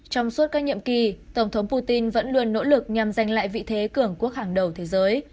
trong suốt các nhiệm kỳ tổng thống putin vẫn luôn nỗ lực nhằm giành lại vị thế cường quốc hàng đầu thế giới